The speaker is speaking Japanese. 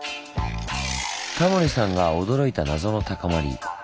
タモリさんが驚いた謎の高まり。